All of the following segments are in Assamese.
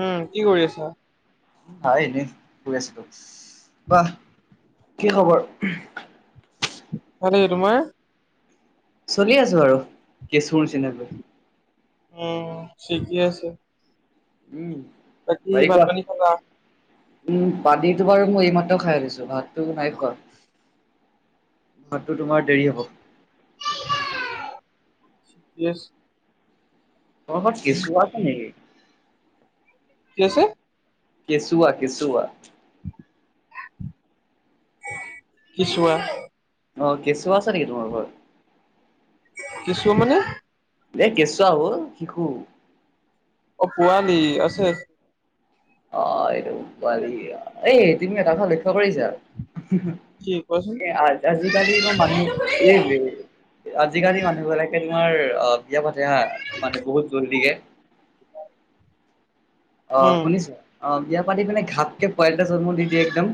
উম কি কৰি আছা? হয় এনে শুই আছিলো, কোৱা কি খবৰ? হ নি, তোমাৰ? চলি আছো আৰু কেঁচুৰ নিচিনাকৈ। উম ঠিকেই আছে। উম। বাকী ভাত পানী খালা? উম পানীতো বাৰু মই এইমাত্ৰ খাই আহিছো ভাতটো নাই খোৱা। ভাতটো তোমাৰ দেৰি হ'ব। [unintelligible] য়েছ তোমাৰ ঘৰত কেঁচুৱা আছে নেকি? কি আছে। কেঁচুৱা কেঁচুৱা। কেঁচুৱা। অ কেঁচুৱা আছে নেকি তোমাৰ ঘৰত? কেঁচুৱা মানে? দে কেঁচুৱা হ'ল শিশু। অ পোৱালি আছে। অ এইটো পোৱালি, এই এদিনিয়া এটা কথা লৈ ত কৰিছা কি কোৱাচোন? [unintelligible] এ আজা আজিকালিৰ মানুহ এই যে আজিকালি মানুহ বিলাকে তোমাৰ অ। বিয়া পাতে হা মানে বহুত জল্দিয়ে। হয় [inaudible] অঁ শুনিছো অ বিয়া পাতি পিনে ঘাপকে পোৱলী এটা জন্ম দি দিয়ে একদম।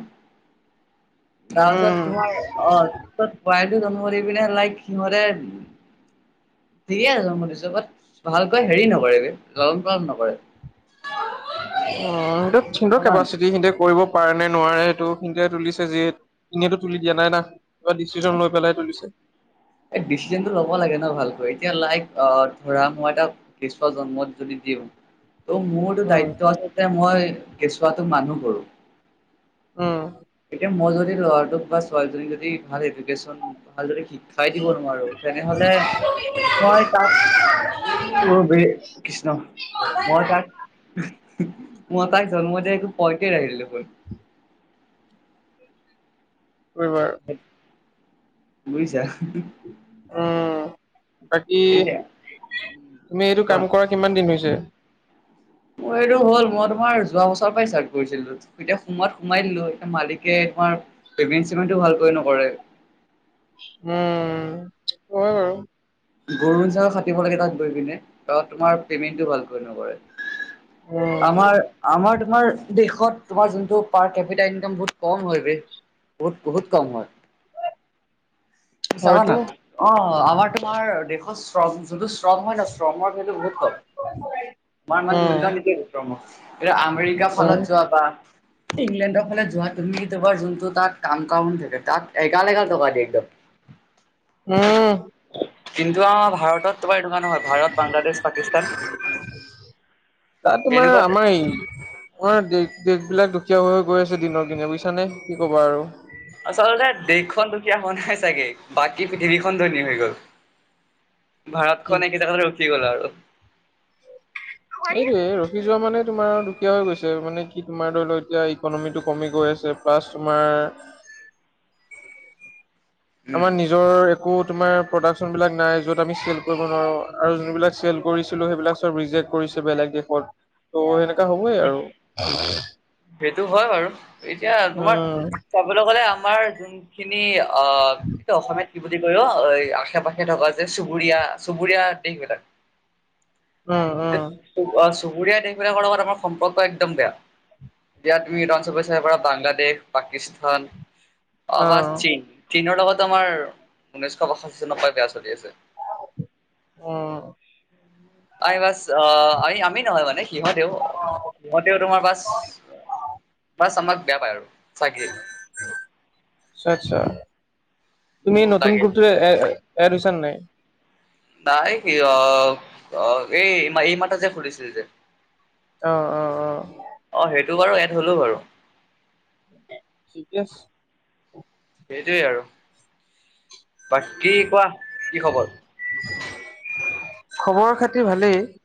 তাৰপিছত উম, তোমাৰ অ পিছত পোৱালীটো জন্ম পিনে লাইক সিহঁতে ঠিকে আছে মই দিছো বাট ভালকৈ হেৰি নকৰে বে লালন পালন নকৰে। অ সেইটো সুণ্ড অকমান কেপাচিটি সিহঁতে কৰিব পাৰে নে নোৱাৰে সেইটো সন্তে তুলিছে যি এনেইটো তুলি দিয়া নাই না। কিবা ডিচিশন লৈ পেলাই তুলিছে। এই ডিচিজনটো ল'ব লাগে ন ভালকৈ, এতিয়া লাইক অ ধৰা মই এটা কৃষ্ণ জন্মত যদি দিওঁ। ত' মোৰতো উম, দায়িত্ব আচলতে মই কেঁচুৱাতোক মানুহ কৰো। উম। এতিয়া মই যদি ল'ৰাটোক বা ছোৱালীজনীক যদি ভাল এডুকেশ্যন ভাল যদি শিক। চাই দিব নোৱাৰো তেনেহলে মই তাক- অ বে কৃষ্ণ। মই তাক মই তাইক জন্ম দিয়া একো পইটে এৰিলো গৈ। পৰিবাৰ। বুজিছা অ হা। উম বাকী এতিয়া তুমি এইটো কোৱা কাম কৰা কিমান দিন হৈছে। মোৰ এইটো হ'ল মই তোমাৰ যোৱা বছৰৰ পৰাই ষ্টাৰ্ট কৰিছিলো। এতিয়া সোমাৱাত সোমাই দিলো এতিয়া মালিকে তোমাৰ পেমেণ্ট চেমেণ্টটো ভালকৈ নকৰে। উম হয় বাৰু। গৰু নিচিনা খাটিব লাগে তাত গৈ পিনে ত তোমাৰ পেমেণ্ট টো ভাল কৈ নকৰে। উম, আমাৰ। আমাৰ তোমাৰ দেশত তোমাৰ যোনটো পাৰ কেমিনেট বহুত কম হয় বে। বহুত বহুত কম হয়। চাবা হয়তো ন অঁ আমাৰ তোমাৰ দেশত শ্ৰম যোনটো শ্ৰম হয় ন শ্ৰমৰ ভেলো বহুত- কওঁক? মই মামে উম, মূল্ডান [unintelligible] এতিয়া আমেৰিকা উম, ফালত যোৱা বা। ইংলেণ্ডৰ ফালে যোৱা তুমি তোমাৰ যোনটো তাত কাম কাউন থাকে তাত এগাল এগাল টকা দিয়ে একদম। উম। কিন্তু আমাৰ ভাৰতত। তোমাৰ এইটো নহয় ভাৰত বাংলাদেশ পাকিস্তান তেনেকুৱাতে। অ দেশ দেশ বিলাক দুখীয়া হৈ গৈ আছে দিনক দিনে বুইছানে কি ক'বা আৰু। আচলতে দেশখন দুখিয়া হোৱা নাই চাগে বাকী পৃথিৱীখন ধনী হৈ গ'ল। ভাৰত কি খনে একেজেগাতে ৰখি গ'ল আৰু। এইটোয়ে ৰখি যোৱা মানে তোমাৰ দুখীয়া হৈ গৈছে মানে কি তোমাৰ ধৰি লও এতিয়া। ইকনমিটো কমি গৈ আছে ফাৰ্ষ্ট তোমাৰ। উম। আমাৰ নিজৰ। অ তোমাৰ প্ৰডাকশ্যনবিলাক নাই য'ত আমি চেল কৰিব নোৱাৰোঁ আৰু যোনবিলাক চেল কৰিছিলোঁ সেইবিলাক চব ৰিজেক্ট। কৰিছে বেলেগ দেশত ত' সেনেকুৱা হ'বই আৰু। সেইটো হয় বাৰু, এতিয়া তোমাৰ উম। চাবলৈ গলে আমাৰ যোন- যোনখিনি অ। এইটো অসমীয়াত কি বুলি কয় ন আশে পাশে থকা যে চুবুৰীয়া চুবুৰীয়া দেশ বিলাক। উম উম। উ চুবুৰীয়া দেশবিলাকৰ লগত আমাৰ সম্পৰ্ক একদম বেয়া। এতিয়া তুমি ৰঞ্চ বিচাৰ পাৰা বাংলাদেশ পাকিস্তান। অবছ অ', চীন চীনৰ লগতো আমাৰ ঊনৈশ বাষষ্ঠী চনৰ পৰা বেয়া চলি আছে। উম উম হু আই বাছ অ আ আমি নহয় মানে সিহঁতেও ভন্তিও তোমাৰ বাছ ফাছ আমাক বেয়া পায় আৰু চাগে। টু টুও আচ্ছা আচ্ছা তুমি মোৰ নতুন লাগে গোটটোৱে। এ এ এয়া লৈছা নে নাই। নাই কি অ অ এই মাই মাতা যে খুুলিছিল যে। অ অ অ। অ ঝিঙগালালা অ সেইটো বাৰু ইয়াত হ'লো বাৰু। ঠিকেই আছে। সেইটোৱে আৰু তাকে কোৱা কি খবৰ? টি ই টি ই খবৰ খাতি ভালেই।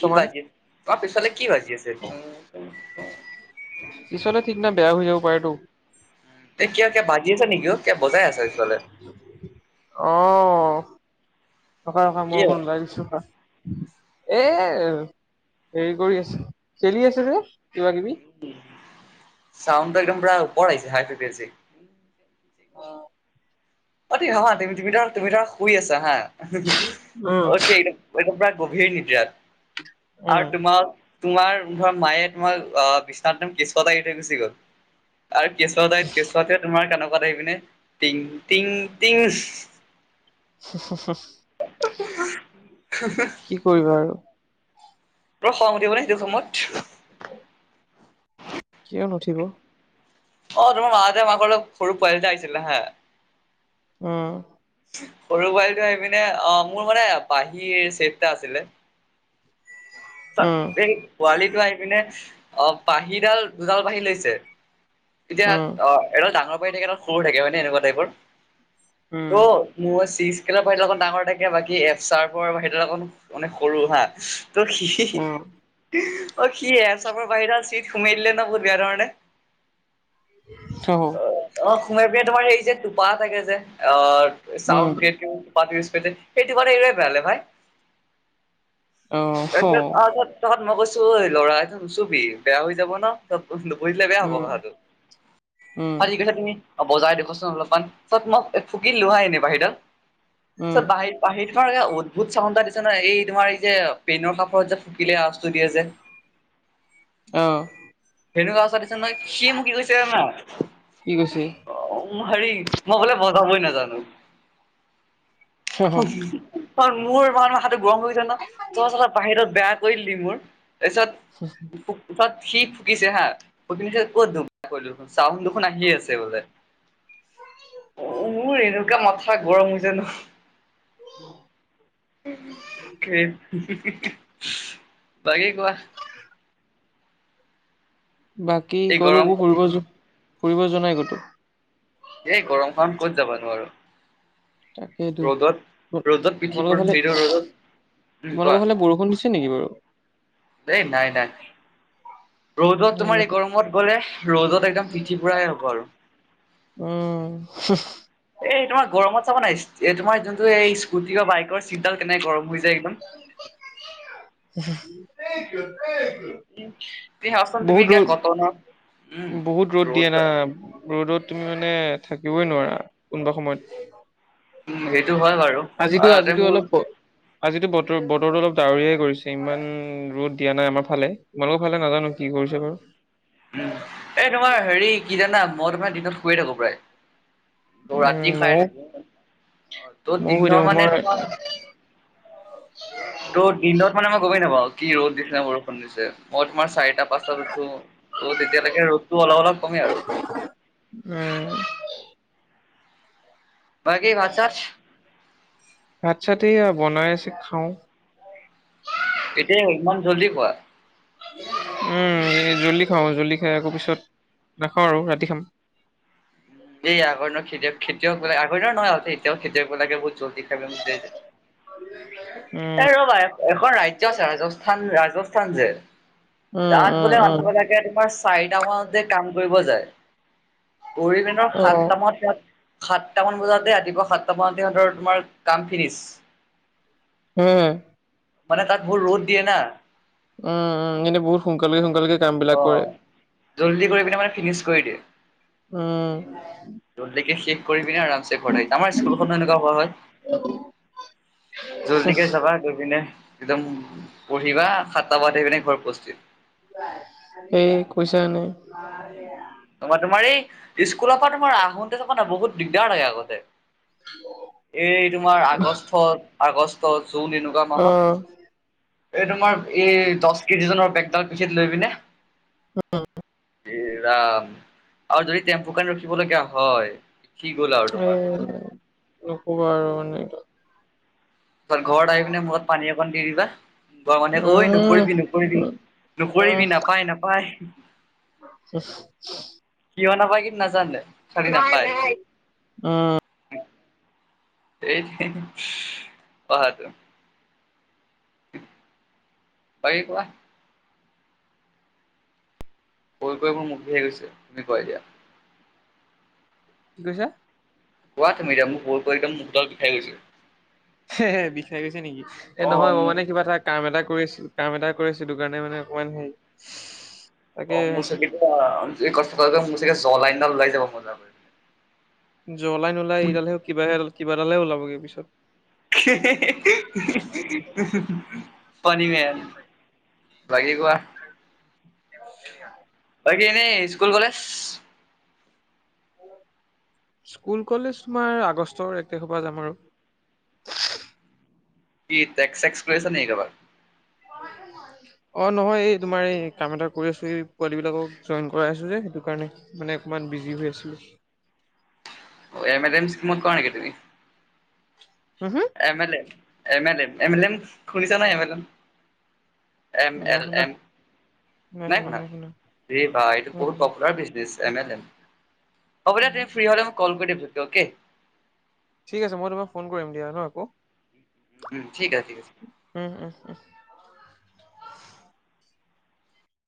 কি বাজি আছে তোমাৰ পিছফালে কি বাজি আছে টু টু পিছলে ঠিক নাই বেয়া হৈ যাব পাৰেতো। এ কিয়া কিয়া বাজি আছে নেকিও কিয়া বজাই আছে পিছফালে। অ অ অ ৰখা ৰখা মই কি হয় অকমান ওলাই গৈছোঁ ৰখা। এ হেৰি কৰি আছে খেলি আছে যে কিবা কিবি। চাউণ্ড টো একদম পুৰা ওপৰত আহিছে হাই ফ্ৰিকুয়েন্সি। অতি সহজ তুমি তাৰ তুমি তাৰ শুই আছা হা হি হি অ'ক উম, দেন একদম প্ৰায় গভীৰ নিদ্ৰাত উম, আৰু তোমাৰ তোমাৰ ধৰা মায়ে তোমাৰ আহ বিছনাটোত কেঁচুৱা এটা এৰি থৈ গুচি গ'ল। আৰু কেঁচুৱা তাই কেঁচুৱাতে তোমাৰ কেনেকুৱা থাকি পিনে টিং টিং টিং সিস হু হু হু উ উ হু উ হুম হুম। কি কৰিবা আৰু বৰ খং উঠিব নে সেইটো সময়ত। হয়। কিয় নুউঠিব? অ তোমাৰ মা হঁতে মাকৰ লগত সৰু পোৱালি এটা আহিছিলে হা উম উ উ- ঠুং সৰু পোৱালিটো আহি পিনে অ মোৰ মানে বাঁহীৰ ছেট এটা আছিলে উম, এই পোৱালিটো আহি পিনে ইস্ অ পাহিডাল দুডাল পাহি লৈছে। এতিয়া উম, অ এজন ডাঙৰ বাৰী থাকে এটা সৰু থাকে হয় নে এনেকুৱা টাইপৰ উম, ত--' মোৰ চি-স্কেলৰ বাহিৰত অকণ ডাঙৰ থাকে বাকী এফচাৰফৰ বাহিৰত অকণো মানে সৰু হা ইস্ তোৰ সি সি সি উম, ইহ্ অ সি এন চবৰ বাহিৰাত চিত সোমাই দিলে নহয় বহুত বেয়া ধৰণেৰে। ইয়া থ অহ। অ সোমাই পিনে তোমাৰ হেৰি যে টোপা থাকে যে অ চাউন্ড উম, ট্ৰেটো টোপাটো স্পীডে সেইটো কাৰণে এৰিয়ে পেলালে ভাই অ হ। তহঁত তহঁত মই কৈছো এ এই ল'ৰা এটো নুছোবি বেয়া হৈ যাব ন। তাত বহিলো বহি দিলে বেয়া হ'ব উম, কথাটো উম। পালটি গৈছা তুমি। অ বজাই দেখোৱাচোন অলপমান পিছত মই ফুকি দিলোঁ এনে বাহিডাল উম পিছত বাহিৰ বাঁহীটোৰ পৰা অদ্ভুত চাউণ্ড এটা দিছে নহয় এই ধৰা এই যে পেইনৰ কাপত যে ফুকিলে আওয়াজ টো দিয়ে যে। অ অ অ ভেনু গাঁও ওচৰত দিছে নহয় সি মোক কি কৈছে জানা। কি কৈছে অ উম হেৰি মই বোলে বজাবই নেজানো উম হু হু মোৰ মানে মাথাটো গৰম হৈ যায় ন, তই চালা বাহিৰত বেয়া কৰিলি মোৰ। তাৰপিছত ফুক পিছত সি ফুকিছে হা ফুকি পিত ক'ত ধুম কলো। চাউণ্ড দুখোন আহিয়ে আছে বোলে। অঁ মোৰ এনেকুৱা মাথা গৰম হৈছে ন? উম হু হু এত হি হি হি চে বাকি কোৱা? হয় [inaudible] বাকী এই কলো গৰম ফুৰিব যোৱা ফুৰিব যোৱা নাই কতো? এই গৰমখনত ক'ত যাবানো আৰু? তাকেইতো, ৰ'দত তো ৰ'দত পিঠিবোৰ তোমালোকৰ ফালে সেইটো ৰ'দত চু উম তোমোকৰ কোৱা ফালে বৰষুণ দিছে নেকি বাৰু? এই নাই নাই। ৰ'দত নাই তোমাৰ এই ইয়াত গৰমত গ'লে, ৰ'দত একদম পিঠি পুৰাহে হ'ব আৰু। উম হুহ। এই তোমাৰ গৰমত চাবা নাই চি এই তোমাৰ যোনটো এই স্কুটি বা বাইকৰ চিটডাল কেনেকে গৰম হৈ যায় একদম? [unintelligible] কি কি আচল তুমি বহুত এতিয়া ৰ'দ কতনত বহুত ৰ'দ দিয়ে না, ৰ'দত তুমি মানে থাকিবই নোৱাৰা কোনোবা সময়ত। উম সেইটো হয় বাৰু আজিতো আৰু তাতে আজিতো মোৰ অলপ আজিতো বতৰ বতৰটো অলপ ডাৱৰীয়াই কৰিছে, ইমান ৰ'দ দিয়া নাই আমাৰ ফালে। তোমালোকৰ ভালে নাজানো কি কৰিছে বাৰু? উম এ তোমাৰ হেৰি কি জানা মই তোমাৰ দিনত শুয়ে থাকো প্ৰায়। ত উম ৰাতি খাই ময়ো থাকি, অঁ ত' ময়ো শুই দিনৰ থাকো মানে তোমাৰ মই ত' দিনত মানে মই গমেই নাপাওঁ, কি ৰ'দ দিছে নে বৰষুণ দিছে? মই তোমাৰ চাৰিটা- পাঁচটাত উঠো। অ তেতিয়ালৈকে ৰ'দটো অলপ অলপ কমে আৰু। উম। বাকী ভাত-চাত? ভাত - চাত এয়া বনাই আছে খাওঁ। এতিয়া ইমান জলদি খোৱা? উম এই জলদি খাওঁ জলদি খাই আকৌ পিছত নাখাওঁ আৰু ৰাতি খাম। এই আগৰ দিনৰ খেতিয়ক খেতিয়ক মানে আগৰ দিনৰ নহয়, এতিয়াও খেতিয়কবিলাকে বহুত জলদি খায়। উম য ৰ ভাই [unintelligible] এখন ৰাজ্য আছে ৰাজস্থান ৰাজস্থান যে, উম তাত বোলে আমি উম গলে যে তোমাৰ চাৰিটা মানত যে কাম কৰিব যায়, কৰি পিনে সাতটা মানত তাত সাতটামান বজাতে ৰাতিপুৱা সাতটামান বজাত তোমাৰ কাম ফিনিছ। হু হুম। মানে তাত বহুত ৰ'দ দিয়ে না? উম উম এনে বহুত সোনকালে সোনকালেকে কামবিলাক কৰে। অ'। জল্দি কৰি পিনে মানে ফিনিছ কৰি দিয়ে। উম। ত'লকে শেষ কৰি পিনে আ দেখতেই আমাৰ স্কুলখনো এনেকুৱা হোৱা হয়। জল্দিকে যাবা লৈ পিনে একদম পঢ়িবা, সাতটা বজাত আহেই পিনে ঘৰত উপস্থিত। এই কৈছা নাই? অঁ। [inaudible] তোমাৰ তোমাৰ এই স্কুলৰ পৰা তোমাৰ আহোতে চাবা না বহুত দিগদাৰ লাগে আগতে। এই তোমাৰ আগষ্টত আগষ্ট, জুন এনেকুৱা অ মাহত। এই তোমাৰ এই দছ কেজি ওজনৰ বেগডাল পিঠিত লৈ পিনে উম। এইৰা। আৰু যদি টেম্পু কাৰণে ৰখিব লগীয়া হয় সি গ'ল আৰু এ তোমাৰ নকবা আৰু এনেত ত ঘৰত আহি পিনে মুখত পানী অকণ দি দিবা। ঘৰৰ মানুহে কয় ঐ উম নকৰিবি নকৰিবি উম উম নকৰিবি নাপায় নাপায়। উম। কিয় নাপায় কিন্তু নাজানে। খালি বাই নাপায় বাই, অ। সেইটোৱে পঢ়াটো। বাকী কোৱা? কৈ কৈ মোৰ মুখ বিষায় গৈছে তুমি কোৱা এতিয়া। কি কৈছা? কোৱা তুমি এতিয়া মোৰ কৈ কৈ একদম মুখ গাল বিষায় গৈছে। সে সে বিষাই গৈছে নেকি এ অ' নহয় মই মোৰ মানে কিবা এটা। কাম এটা কৰি আছিলোঁ কাম এটা কৰি আছিলোঁ সেইটো কাৰণে মানে অকমান হেৰী অ মোৰ চাগে এতিয়া এই কষ্ট কৰি কৰি মোৰ চাগে জ লাইন দাল ওলাই যাব মজা কৈ। জ লাইন নোলাই এইদালহে কিবাহে এডাল কিবাদালহে ওলাবগে পিছত ফানি মেন। বাকী কোৱা? সেয়াই। তুমি এনেই স্কুল কলেজ। স্কুল কলেজ তোমাৰ আগষ্টৰ এক তাৰিখৰ পৰা যাম আৰু। কি টেক্স চেক্স কৰি আছা নেকি কাবাক অ নহয় এই তোমাৰ এই কাম এটা কৰি আছোঁ এই পোৱালি বিলাকক জয়েন কৰাই আছোঁ যে সেইটো কাৰণে। মানে অকণমান বিজি হৈ আছিলোঁ। অ এমে লেম স্কিমত কৰা নেকি তুমি? Home home. এমে লেম, এমে লেম এমে লেম শুনিছা নহয় এমে লেম এম নাই এল শুনা এম নাই শুনা আৰে ভাই এইটো নাই বহুত শুনা। Popular business. এমে লেম, হ'ব দিয়া উম তুমি ফ্ৰী হ'লে মোক কল কৰি দিবি, অকে। ঠিক আছে মই তোমাক ফোন কৰিম দিয়া ন আকৌ। উম, ঠিক আছে ঠিক আছে। উম উমহ উমহ।